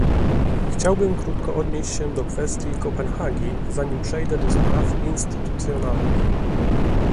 Chciałbym krótko odnieść się do kwestii Kopenhagi, zanim przejdę do spraw instytucjonalnych